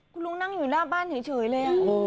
คุณลุงนั่งอยู่หน้าบ้านเฉยเลย